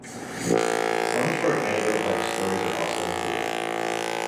Sometimes short anecdote-like stories are also included.